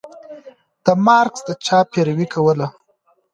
مارکس د چا پيروي کوله؟